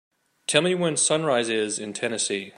Tell me when sunrise is in Tennessee